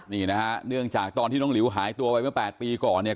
นี่นะฮะเนื่องจากตอนที่น้องหลิวหายตัวไปเมื่อ๘ปีก่อนเนี่ย